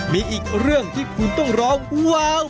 มีอีกเรื่องที่คุณต้องร้องว้าว